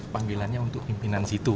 panggilannya untuk pimpinan situ